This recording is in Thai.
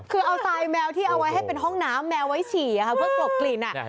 คือเอาทรายแมวที่เอาไว้ให้เป็นห้องน้ำแมวไว้ฉี่เพื่อกลบกลิ่น